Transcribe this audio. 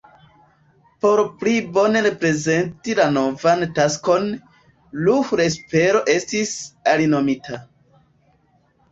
Por pli bone reprezenti la novan taskon, Ruhr-Espero estis alinomita.